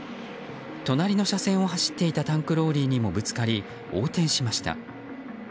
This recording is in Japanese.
隣の車線を走っていたタンクローリーにもぶつかり横転しました。